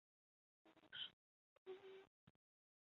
现位于浙江省宁波市江北区乍浦乡应家河塘有应修人故居。